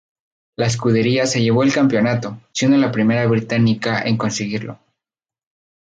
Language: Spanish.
La escudería se llevó el campeonato, siendo la primera británica en conseguirlo.